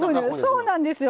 そうなんですよ。